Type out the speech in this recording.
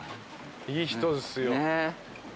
いい人ですよ。